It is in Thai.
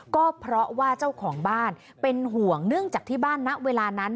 ก็เพราะว่าเจ้าของบ้านเป็นห่วงเนื่องจากที่บ้านณเวลานั้น